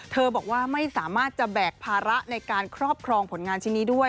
บอกว่าไม่สามารถจะแบกภาระในการครอบครองผลงานชิ้นนี้ด้วย